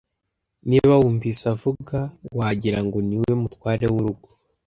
Niba wumvise avuga, wagira ngo niwe mutware wurugo.